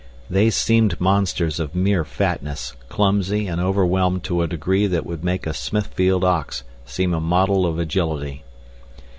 They seemed monsters of mere fatness, clumsy and overwhelmed to a degree that would make a Smithfield ox seem a model of agility.